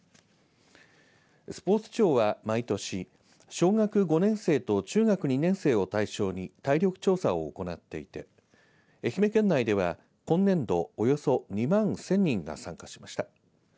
スポーツ庁は毎年小学５年生と中学２年生を対象に体力調査を行っていて愛媛県内では今年度およそ２万１０００人が参加しました。